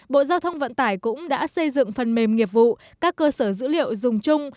bộ giao thông vận tải cũng đã xây dựng phần mềm nghiệp vụ các cơ sở dữ liệu dùng chung